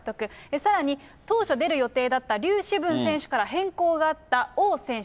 さらに当初、出る予定だった劉詩ブン選手から変更があった王選手。